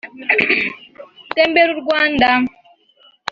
Tembera u Rwanda